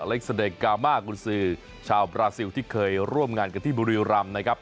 และแสดงกาม้าคุณสื่อชาวบราซิลที่เคยร่วมงานกับที่บริรัมณ์นะครับ